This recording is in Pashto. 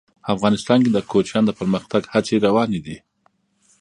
افغانستان کې د کوچیانو د پرمختګ هڅې روانې دي.